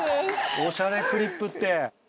『おしゃれクリップ』って。